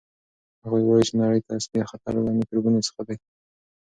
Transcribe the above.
هغوی وایي چې نړۍ ته اصلي خطر له میکروبونو څخه دی.